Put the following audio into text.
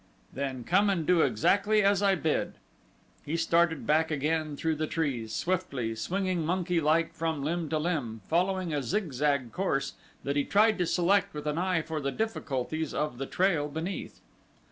"Then come, and do exactly as I bid." He started back again through the trees, swiftly, swinging monkey like from limb to limb, following a zigzag course that he tried to select with an eye for the difficulties of the trail beneath.